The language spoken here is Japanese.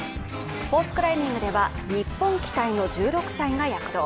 スポーツクライミングでは日本期待の１６歳が躍動。